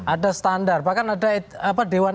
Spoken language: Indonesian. ada standar bahkan ada